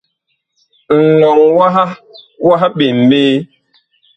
Ŋlɔŋ waha wah ɓem ɓe.